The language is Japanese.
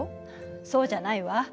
そうじゃないわ。